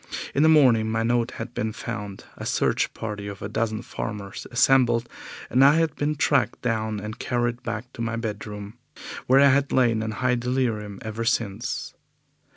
In the morning my note had been found, a search party of a dozen farmers assembled, and I had been tracked down and carried back to my bedroom, where I had lain in high delirium ever since.